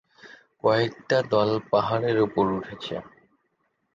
কয়েকটা দল পাহাড়ের ওপর উঠছে।